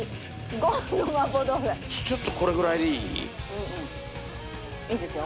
ちょっとこれぐらいでいい？いいですよ。